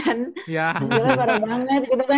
hasilnya parah banget gitu kan